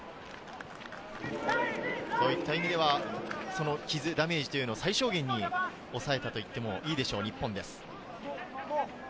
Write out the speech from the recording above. そういった意味ではダメージを最小限に抑えたといってもいいでしょう、日本です。